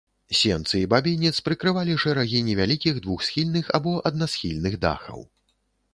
Сенцы і бабінец прыкрывалі шэрагі невялікіх двухсхільных або аднасхільных дахаў.